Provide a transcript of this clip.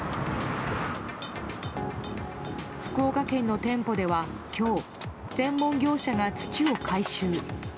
福岡県の店舗では今日、専門業者が土を回収。